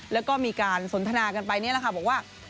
แล้วก็มีการสนทนากันไปนี่แหละค่ะบอกว่า